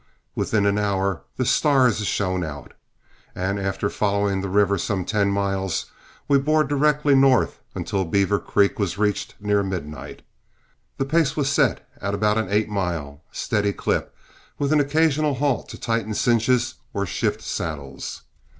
Within an hour the stars shone out, and after following the river some ten miles, we bore directly north until Beaver Creek was reached near midnight. The pace was set at about an eight mile, steady clip, with an occasional halt to tighten cinches or shift saddles.